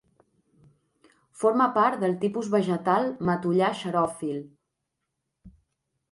Forma part del tipus vegetal matollar xeròfil.